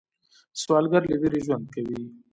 سوالګر له ویرې ژوند کوي